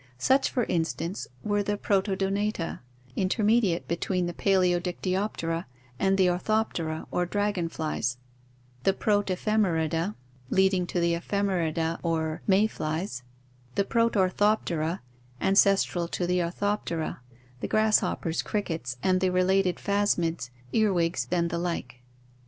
Such, for in stance, were the Protodonata, intermediate between the Palseodic tyoptera and the Orthoptera or dragon flies, the Protephemerida, 456 ORGANIC EVOLUTION leading to the Ephemerida or May flies; the Protorthoptera, ancestral to the Orthoptera, the grasshoppers, crickets and the related phasmids, earwigs and the like.